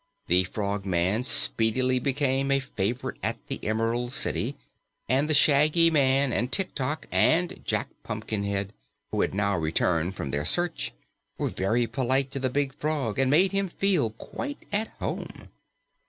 The Frogman speedily became a favorite at the Emerald City, and the Shaggy Man and Tik Tok and Jack Pumpkinhead, who had now returned from their search, were very polite to the big frog and made him feel quite at home.